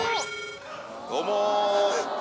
どうも。